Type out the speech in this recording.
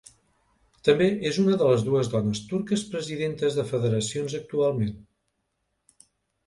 També és una de les dues dones turques presidentes de federacions actualment.